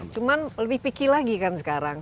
cuman lebih pikir lagi kan sekarang